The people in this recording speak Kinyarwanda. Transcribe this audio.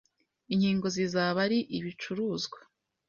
Inkingo zizaba ari ibicuruzwa